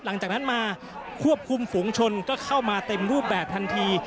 หลังจากนั้นมาควบคุมฝูงชนก็เข้ามาเต็มรูปแบบทันที